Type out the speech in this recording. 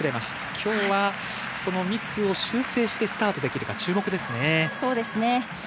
今日はミスを修正してスタートできるか注目ですね。